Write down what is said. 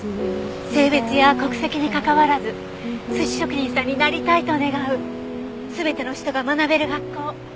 性別や国籍にかかわらず寿司職人さんになりたいと願う全ての人が学べる学校。